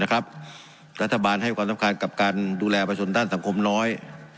รัฐบาลให้ความสำคัญกับการดูแลประชนด้านสังคมน้อย